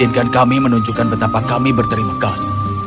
mengizinkan kami menunjukkan betapa kami berterima kasih